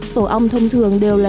tổ ong thông thường đều là